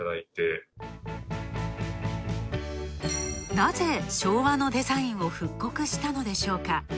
ナゼ、昭和のデザインを復刻したのでしょうか。